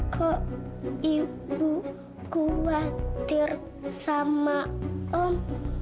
kok ibu khawatir sama om